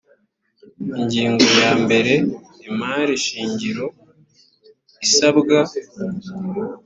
ingingo ya mbere imari shingiro isabwa